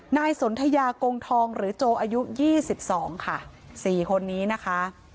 นายสนทยากงทองหรือโจอายุ๒๒ค่ะ๔คนนี้นะคะ